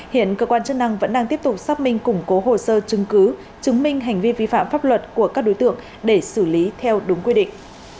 hiện cơ quan chức năng vẫn đang tiếp tục xác minh củng cố hồ sơ chứng cứ chứng minh hành vi vi phạm pháp luật của các đối tượng để xử lý theo đúng quy định